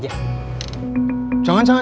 jangan jangan jangan